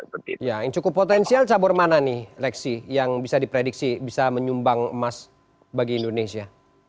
yang cukup potensial cabur mana nih lexi yang bisa diprediksi bisa menyumbang emas bagi indonesia